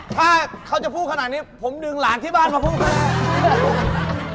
ถ้าเขาจะพูดขนาดนี้ผมดึงหลานที่บ้านมาพูดก็ได้